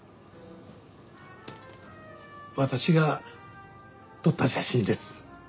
私が撮った写真です。